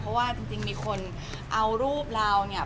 เพราะว่าจริงมีคนเอารูปเราเนี่ย